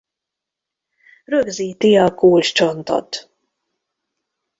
Rögzíti a kulcscsontot.